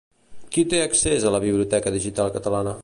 Qui té accés a la biblioteca digital catalana?